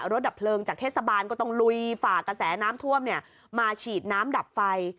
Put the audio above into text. ดับเพลิงจากเทศบาลก็ต้องลุยฝากกระแสน้ำท่วมมาฉีดน้ำดับไฟ